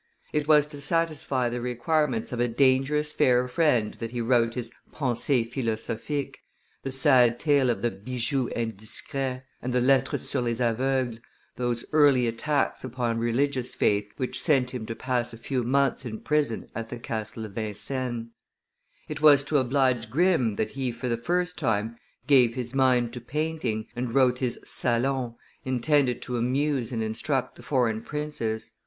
It was to satisfy the requirements of a dangerous fair friend that he wrote his _Pensees philosophiques,) the sad tale of the Bijoux indiscrets and the Lettre sur les Aveugles, those early attacks upon religious faith which sent him to pass a few months in prison at the Castle of Vincennes. It was to oblige Grimm that he for the first time gave his mind to painting, and wrote his Salons, intended to amuse and instruct the foreign princes.